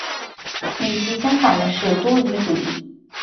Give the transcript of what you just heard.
与其相反的是多语主义。